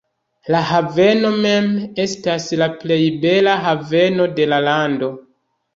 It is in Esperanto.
La haveno mem estas la plej bela haveno de la lando.